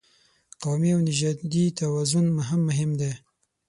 قومي او نژادي توازن هم مهم دی.